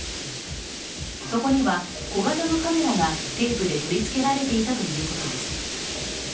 そこには小型のカメラがテープで取りつけられていたということです。